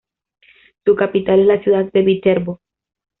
Su capital es la ciudad de Viterbo.